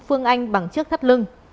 phương anh bằng chiếc thắt lưng